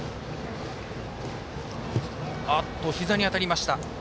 ひざに当たりました。